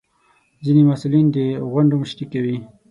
ځینې محصلین د غونډو مشري کوي.